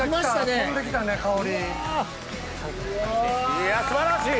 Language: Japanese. いや素晴らしい！